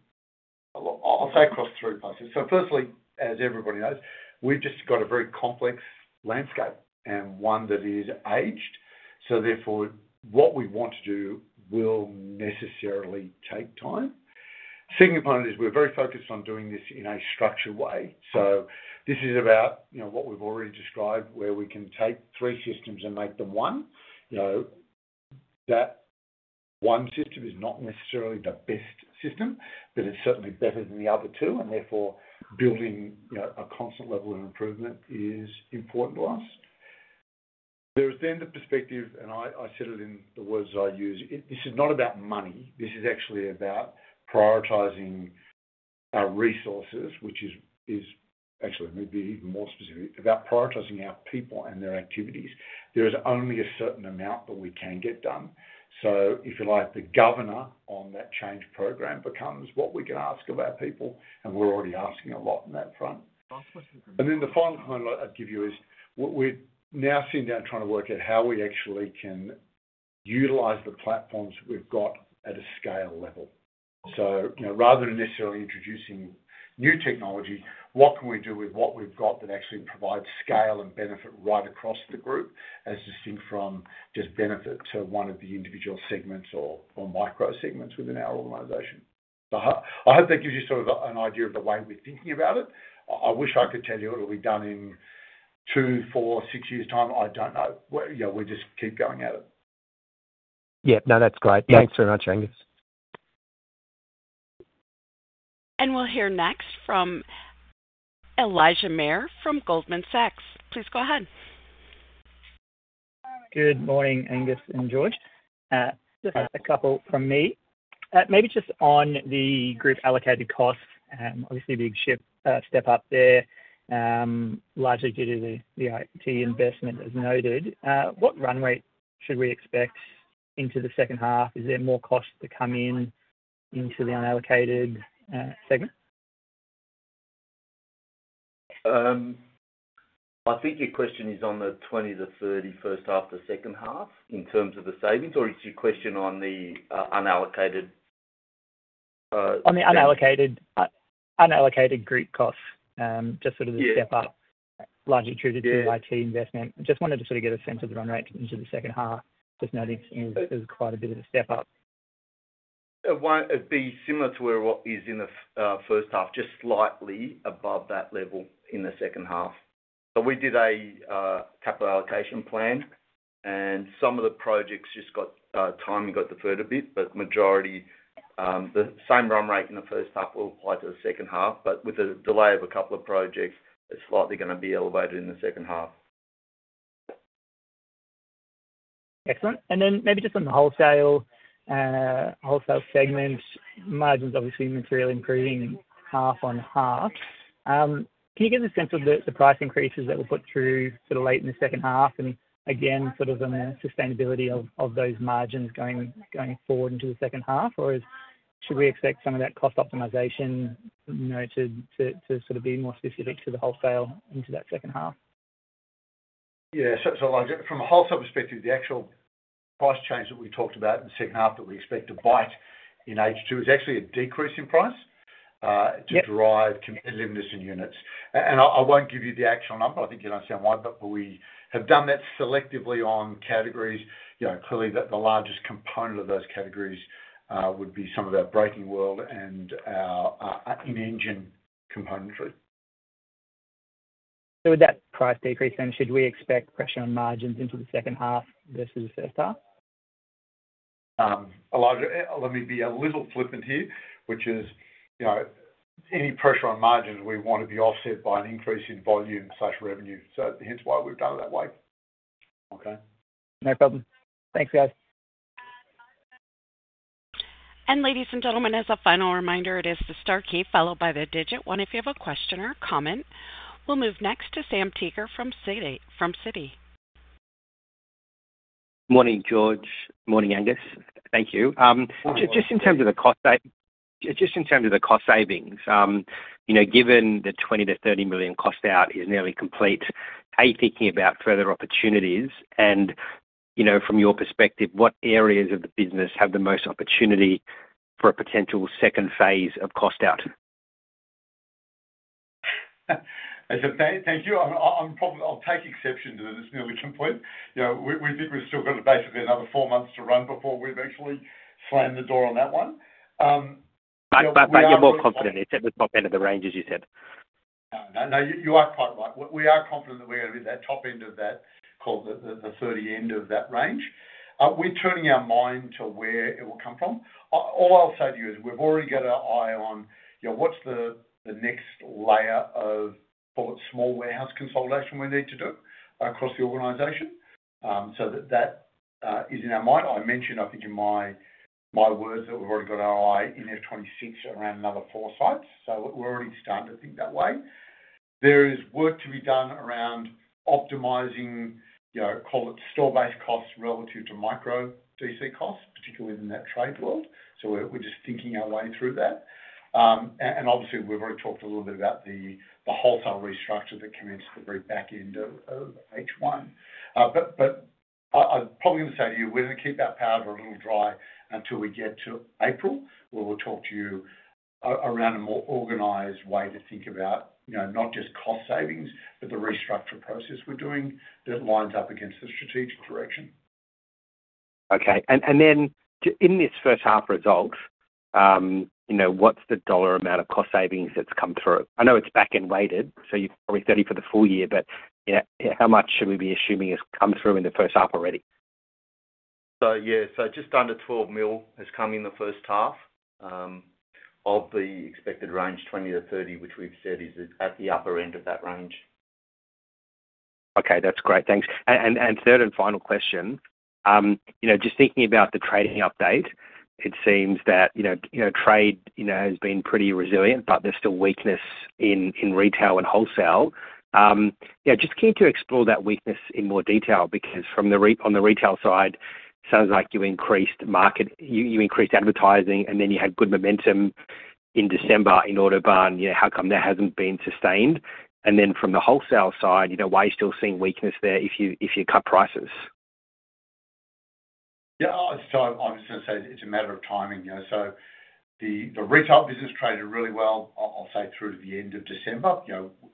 I'll say, across three places. So firstly, as everybody knows, we've just got a very complex landscape and one that is aged. So therefore, what we want to do will necessarily take time. Second point is we're very focused on doing this in a structured way. So this is about what we've already described, where we can take three systems and make them one. That one system is not necessarily the best system, but it's certainly better than the other two. And therefore, building a constant level of improvement is important to us. There is then the perspective, and I set it in the words I use, this is not about money. This is actually about prioritizing our resources, which is actually maybe even more specific about prioritizing our people and their activities. There is only a certain amount that we can get done. So if you like, the governor on that change program becomes what we can ask of our people, and we're already asking a lot on that front. And then the final point I'd give you is we're now sitting down trying to work out how we actually can utilize the platforms that we've got at a scale level. So rather than necessarily introducing new technology, what can we do with what we've got that actually provides scale and benefit right across the group as distinct from just benefit to one of the individual segments or micro-segments within our organization? I hope that gives you sort of an idea of the way we're thinking about it. I wish I could tell you it'll be done in two, four, six years' time. I don't know. We just keep going at it. Yeah. No, that's great. Thanks very much, Angus. And we'll hear next from Elijah Mayr from Goldman Sachs. Please go ahead. Good morning, Angus and George. Just a couple from me. Maybe just on the group allocated costs, obviously a big step up there, largely due to the IT investment as noted. What runway should we expect into the second half? Is there more costs to come in into the unallocated segment? I think your question is on the 20-30 first half to second half in terms of the savings, or is your question on the unallocated? On the unallocated group costs, just sort of the step up, largely due to the IT investment. Just wanted to sort of get a sense of the run rate into the second half. Just noticed there's quite a bit of a step up. It'd be similar to what is in the first half, just slightly above that level in the second half. But we did a capital allocation plan, and some of the projects just got time and got deferred a bit, but the majority, the same run rate in the first half will apply to the second half. But with a delay of a couple of projects, it's slightly going to be elevated in the second half. Excellent. And then maybe just on the wholesale segments, margins obviously materially improving half on half. Can you get a sense of the price increases that were put through sort of late in the second half and again sort of the sustainability of those margins going forward into the second half? Or should we expect some of that cost optimization to sort of be more specific to the wholesale into that second half? Yeah. So from a wholesale perspective, the actual price change that we talked about in the second half that we expect to bite in H2 is actually a decrease in price to drive competitiveness in units. And I won't give you the actual number. I think you understand why. But we have done that selectively on categories. Clearly, the largest component of those categories would be some of our brake world and our in-engine componentry. So with that price decrease, then should we expect pressure on margins into the second half versus the first half? Let me be a little flippant here, which is any pressure on margins, we want to be offset by an increase in volume/revenue. So hence why we've done it that way. Okay. No problem. Thanks, guys. And ladies and gentlemen, as a final reminder, it is the star key followed by the digit one if you have a question or a comment. We'll move next to Sam Teeger from Citi. Morning, George. Morning, Angus. Thank you. Just in terms of the cost, just in terms of the cost savings, given the 20 to 30 million cost out is nearly complete, how are you thinking about further opportunities? From your perspective, what areas of the business have the most opportunity for a potential second phase of cost out? Thank you. I'll take exception to this at any point. We think we've still got basically another four months to run before we've actually slammed the door on that one. But you're more confident it's at the top end of the range, as you said. No, you are quite right. We are confident that we're going to be at that top end of that, called the 30 end of that range. We're turning our mind to where it will come from. All I'll say to you is we've already got our eye on what's the next layer of small warehouse consolidation we need to do across the organization. So that is in our mind. I mentioned, I think, in my words that we've already got our eye on FY26 around another four sites. So we're already starting to think that way. There is work to be done around optimizing, call it store-based costs relative to micro DC costs, particularly in that trade world. So we're just thinking our way through that. And obviously, we've already talked a little bit about the wholesale restructure that commences the very back end of H1. But I'm probably going to say to you, we're going to keep that powder dry until we get to April, where we'll talk to you around a more organized way to think about not just cost savings, but the restructure process we're doing that lines up against the strategic direction. Okay. And then in this first half result, what's the dollar amount of cost savings that's come through? I know it's back-ended and weighted, so you're probably 30 for the full year, but how much should we be assuming has come through in the first half already? So yeah, so just under 12 mil has come in the first half of the expected range, 20 to 30, which we've said is at the upper end of that range. Okay. That's great. Thanks. And third and final question, just thinking about the trading update, it seems that trade has been pretty resilient, but there's still weakness in retail and wholesale. Yeah. Just keen to explore that weakness in more detail because on the retail side, it sounds like you increased advertising, and then you had good momentum in December in Autobarn, and how come that hasn't been sustained. And then from the wholesale side, why are you still seeing weakness there if you cut prices? Yeah. So I was going to say it's a matter of timing. So the retail business traded really well, I'll say, through to the end of December,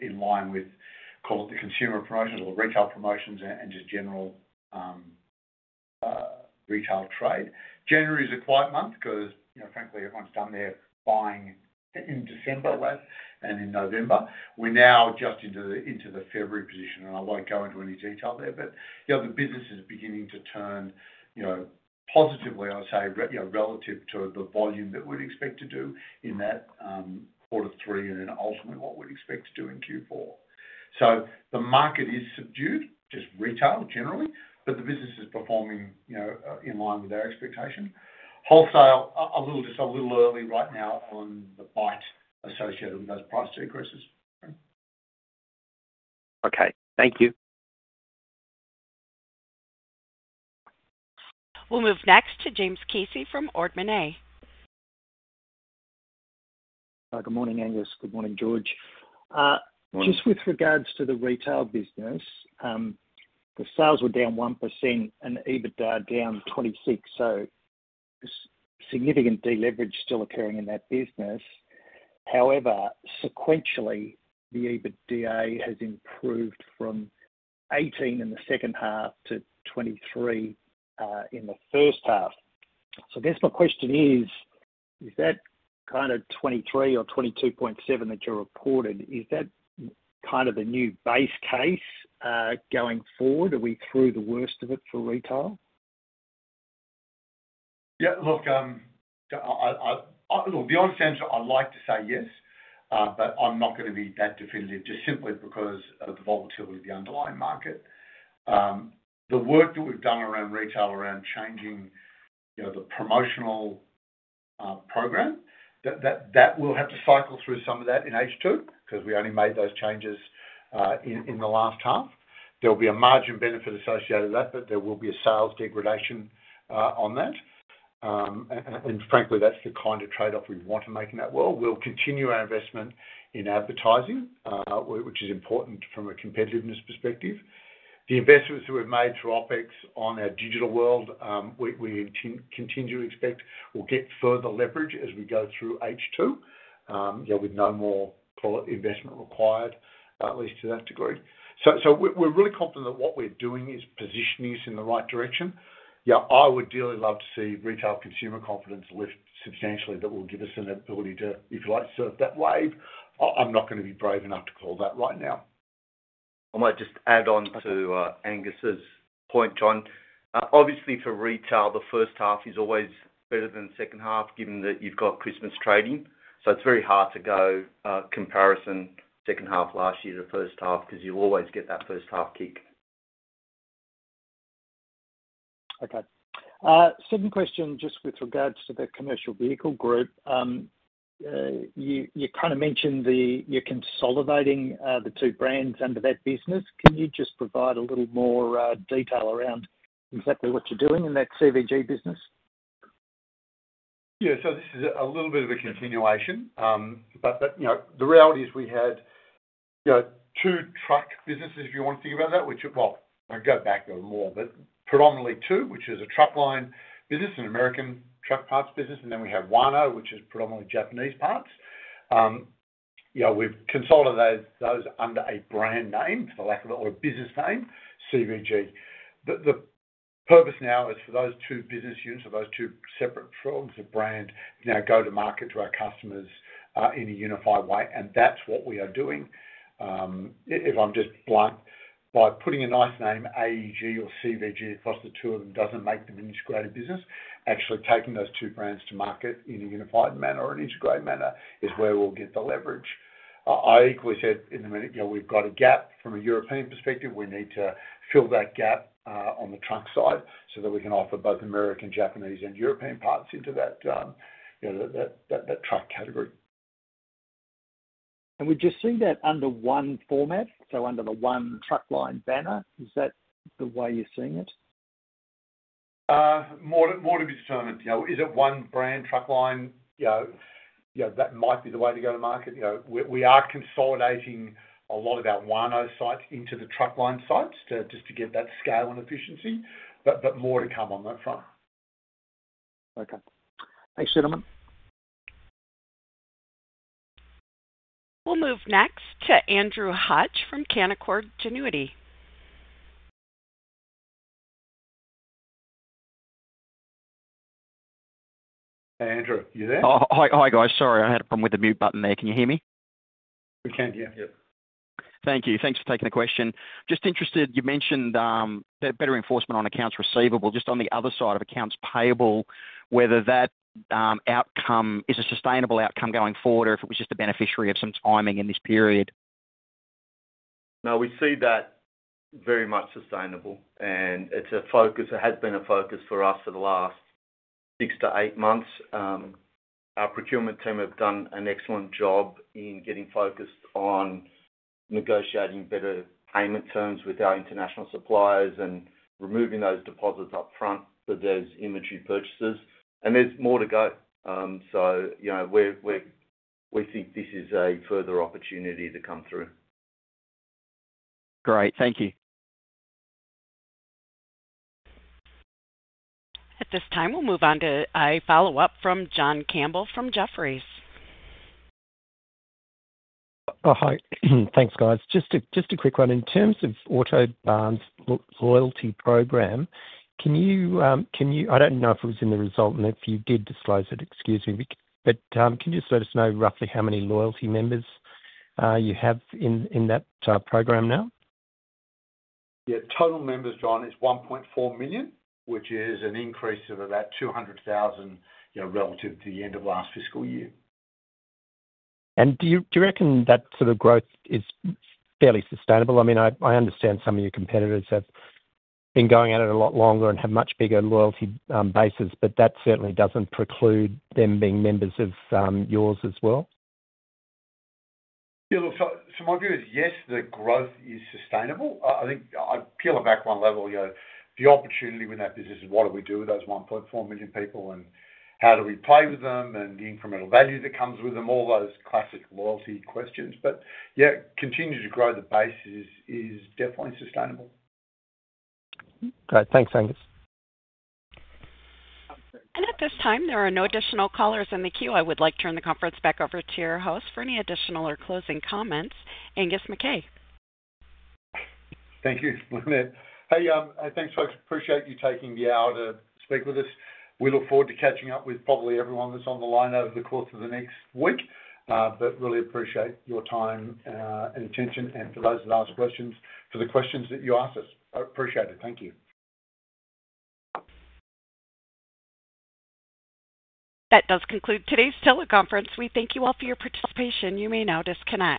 in line with, call it the consumer promotions or the retail promotions and just general retail trade. January is a quiet month because, frankly, everyone's done their buying in December and in November. We're now just into the February position, and I won't go into any detail there. But the business is beginning to turn positively, I would say, relative to the volume that we'd expect to do in that quarter three and then ultimately what we'd expect to do in Q4. So the market is subdued, just retail generally, but the business is performing in line with our expectation. Wholesale, just a little early right now on the bite associated with those price decreases. Okay. Thank you. We'll move next to James Casey from Ord Minnett. Good morning, Angus. Good morning, George. Just with regards to the retail business, the sales were down 1% and EBITDA down 26%. So significant deleverage still occurring in that business. However, sequentially, the EBITDA has improved from 18% in the second half to 23% in the first half. So I guess my question is, is that kind of 23% or 22.7% that you reported, is that kind of the new base case going forward? Are we through the worst of it for retail? Yeah. Look, to be honest, Angus, I'd like to say yes, but I'm not going to be that definitive just simply because of the volatility of the underlying market. The work that we've done around retail, around changing the promotional program, that will have to cycle through some of that in H2 because we only made those changes in the last half. There'll be a margin benefit associated with that, but there will be a sales degradation on that. And frankly, that's the kind of trade-off we want to make in that world. We'll continue our investment in advertising, which is important from a competitiveness perspective. The investments that we've made through OpEx on our digital world, we continue to expect will get further leverage as we go through H2 with no more investment required, at least to that degree. So we're really confident that what we're doing is positioning us in the right direction. Yeah, I would dearly love to see retail consumer confidence lift substantially. That will give us an ability to, if you like, surf that wave. I'm not going to be brave enough to call that right now. I might just add on to Angus's point, James. Obviously, for retail, the first half is always better than the second half given that you've got Christmas trading. So it's very hard to go comparison second half last year to first half because you always get that first half kick. Okay. Second question, just with regards to the Commercial Vehicle Group, you kind of mentioned you're consolidating the two brands under that business. Can you just provide a little more detail around exactly what you're doing in that CVG business? Yeah. So this is a little bit of a continuation. But the reality is we had two truck businesses, if you want to think about that, which, well, I'll go back a little more, but predominantly two, which is a Truckline business, and American truck parts business, and then we have WANO, which is predominantly Japanese parts. We've consolidated those under a brand name, for lack of a business name, CVG. But the purpose now is for those two business units, for those two separate products, a brand now go to market to our customers in a unified way. And that's what we are doing. If I'm just blunt, by putting a nice name, AEG or CVG, plus the two of them, doesn't make them an integrated business. Actually taking those two brands to market in a unified manner or an integrated manner is where we'll get the leverage. I equally said in the minute, we've got a gap from a European perspective. We need to fill that gap on the truck side so that we can offer both American, Japanese, and European parts into that truck category. And we're just seeing that under one format, so under the one Truckline banner. Is that the way you're seeing it? More to be determined. Is it one brand Truckline? Yeah, that might be the way to go to market. We are consolidating a lot of our WANO sites into the Truckline sites just to get that scale and efficiency, but more to come on that front. Okay. Thanks, gentlemen. We'll move next to Andrew Hodge from Canaccord Genuity. Hey, Andrew, you there? Hi, guys. Sorry, I had a problem with the mute button there. Can you hear me? We can, yeah. Yep. Thank you. Thanks for taking the question. Just interested, you mentioned better enforcement on accounts receivable just on the other side of accounts payable, whether that outcome is a sustainable outcome going forward or if it was just a beneficiary of some timing in this period. No, we see that very much sustainable, and it's a focus that has been a focus for us for the last six to eight months. Our procurement team have done an excellent job in getting focused on negotiating better payment terms with our international suppliers and removing those deposits upfront for those inventory purchases, and there's more to go, so we think this is a further opportunity to come through. Great. Thank you. At this time, we'll move on to a follow-up from John Campbell from Jefferies. Hi. Thanks, guys. Just a quick one. In terms of Autobarn's loyalty program, can you, I don't know if it was in the result and if you did disclose it, excuse me, but can you just let us know roughly how many loyalty members you have in that program now? Yeah. Total members, John, is 1.4 million, which is an increase of about 200,000 relative to the end of last fiscal year. And do you reckon that sort of growth is fairly sustainable? I mean, I understand some of your competitors have been going at it a lot longer and have much bigger loyalty bases, but that certainly doesn't preclude them being members of yours as well. Yeah. Look, so my view is, yes, the growth is sustainable. I think I peel it back one level. The opportunity with that business is, what do we do with those 1.4 million people, and how do we play with them, and the incremental value that comes with them, all those classic loyalty questions. But yeah, continuing to grow the base is definitely sustainable. Okay. Thanks, Angus. And at this time, there are no additional callers in the queue. I would like to turn the conference back over to your host for any additional or closing comments, Angus McKay. Thank you, Lynette. Hey, thanks, folks. Appreciate you taking the hour to speak with us. We look forward to catching up with probably everyone that's on the line over the course of the next week, but really appreciate your time and attention. And for those that asked questions, for the questions that you asked us, appreciate it. Thank you. That does conclude today's teleconference. We thank you all for your participation. You may now disconnect.